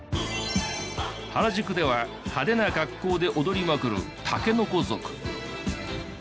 原宿では派手な格好で踊りまくる竹の子族。